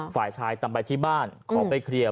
ฝ่ายชายตามไปที่บ้านขอไปเคลียร์